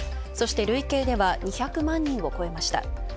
そして、累計では２００万人を超えました。